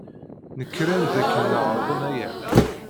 Nekṛen dakken ɛerḍen aya.